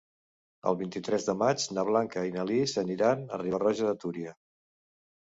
El vint-i-tres de maig na Blanca i na Lis aniran a Riba-roja de Túria.